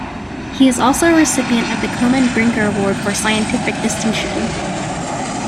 He is also a recipient of the Komen Brinker Award for Scientific Distinction.